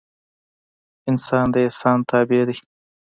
انسان د احسان تابع ده